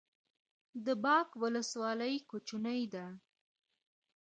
د باک ولسوالۍ کوچنۍ ده